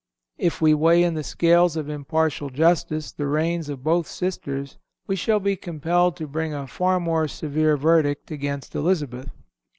If we weigh in the scales of impartial justice the reigns of both sisters, we shall be compelled to bring a far more severe verdict against Elizabeth.